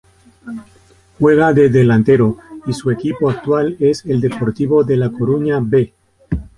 Juega de delantero y su equipo actual es el Deportivo de La Coruña "B".